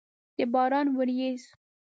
د باران ورېځ!